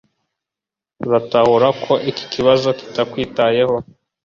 Turatahura ko iki kibazo kitakwitayeho